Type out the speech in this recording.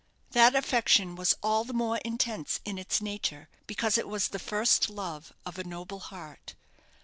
That affection was all the more intense in its nature because it was the first love of a noble heart.